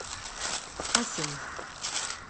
Asem.